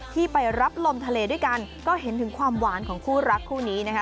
ที่ไปรับลมทะเลด้วยกันก็เห็นถึงความหวานของคู่รักคู่นี้นะคะ